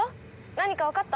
何かわかった？